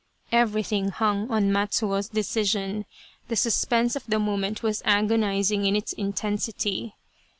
Everything hung on Matsuo's decision. The sus pense of the moment was agonizing in its intensity.